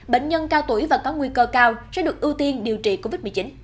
bệnh nhân cao tuổi và có nguy cơ cao sẽ được ưu tiên điều trị covid một mươi chín